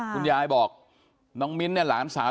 คุณยายบอกน้องมิ้นเนี่ยหลานสาว